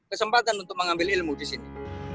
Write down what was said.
kesempatan untuk mengambil ilmu di sini